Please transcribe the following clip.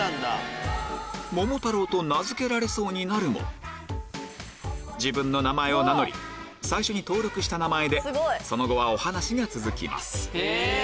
桃太郎と名付けられそうになるも自分の名前を名乗り最初に登録した名前でその後はお話が続きます